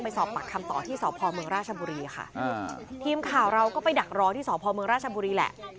สอบปากคำต่อที่สพเมืองราชบุรีค่ะทีมข่าวเราก็ไปดักรอที่สพเมืองราชบุรีแหละ